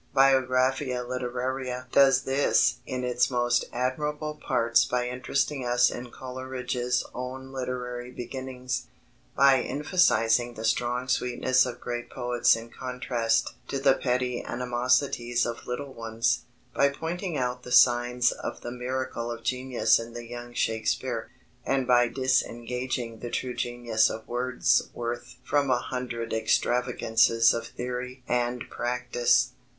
Biographia Literaria does this in its most admirable parts by interesting us in Coleridge's own literary beginnings, by emphasizing the strong sweetness of great poets in contrast to the petty animosities of little ones, by pointing out the signs of the miracle of genius in the young Shakespeare, and by disengaging the true genius of Wordsworth from a hundred extravagances of theory and practice.